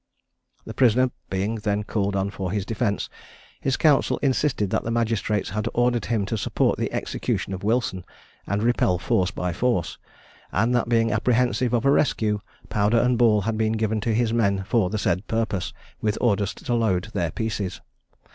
The prisoner being then called on for his defence, his counsel insisted that the magistrates had ordered him to support the execution of Wilson, and repel force by force; and that being apprehensive of a rescue, powder and ball had been given to his men for the said purpose, with orders to load their pieces.